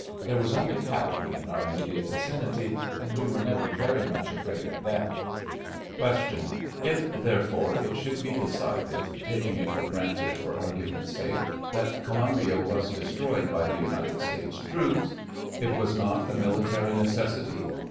There was only cavalry in our immediate vicinity, and we were never very much afraid of them. Q. If, therefore, it should be decided (taking it for granted for argument's sake) that Columbia was des troyed by the United States troops, it was not a mili tary necessity